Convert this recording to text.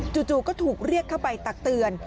จู่ก็ถูกเรียกเข้าไปตักเตือน